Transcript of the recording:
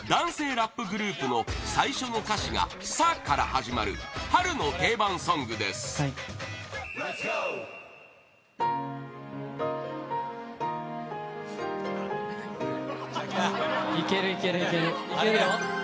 ラップグループの最初の歌詞が「さ」から始まる春の定番ソングですいけるよ。